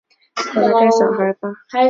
回来带小孩吧